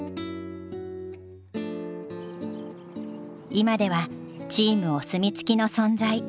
今ではチームお墨付きの存在。